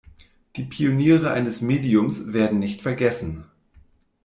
Die Pioniere eines Mediums werden nicht vergessen.